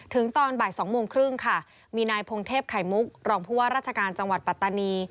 ตอนบ่ายสองโมงครึ่งค่ะมีนายพงเทพไข่มุกรองผู้ว่าราชการจังหวัดปัตตานี